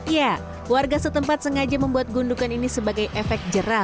ya warga setempat sengaja membuat gundukan ini sebagai efek jerah